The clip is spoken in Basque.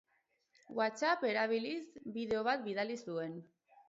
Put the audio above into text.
WhatsApp erabiliz bideo bat bidali zuen.